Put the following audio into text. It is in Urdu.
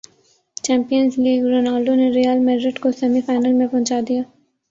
چیمپئنز لیگرونالڈو نے ریال میڈرڈ کوسیمی فائنل میں پہنچادیا